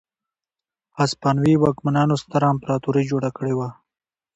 هسپانوي واکمنانو ستره امپراتوري جوړه کړې وه.